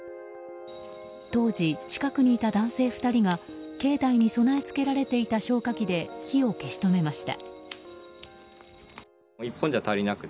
当時近くにいた男性２人が境内に備え付けられていた消火器で火を消し止めました。